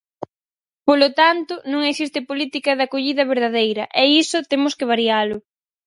Polo tanto, non existe política de acollida verdadeira, e iso temos que varialo.